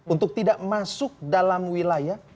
untuk tidak masuk dalam wilayah